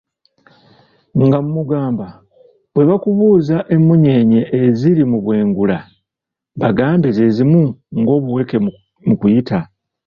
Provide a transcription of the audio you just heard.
Ng'amugamba, we bakubuuza emunyeenye eziri mu bwengula, bagambe ze zimu ng'obuweke mu kutiya.